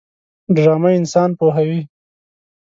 ډرامه انسان پوهوي